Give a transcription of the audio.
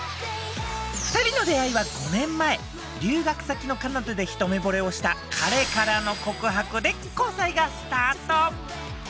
２人の出会いは５年前留学先のカナダで一目ぼれをした彼からの告白で交際がスタート。